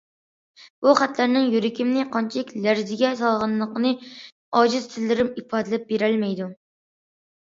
بۇ خەتلەرنىڭ يۈرىكىمنى قانچىلىك لەرزىگە سالغانلىقىنى ئاجىز تىللىرىم ئىپادىلەپ بېرەلمەيدۇ.